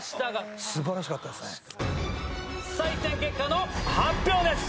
採点結果の発表です！